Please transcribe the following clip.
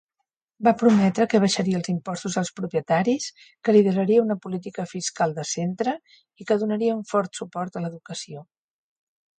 Va prometre que abaixaria els impostos als propietaris, que lideraria una política fiscal de centre i que donaria un fort suport a l'educació.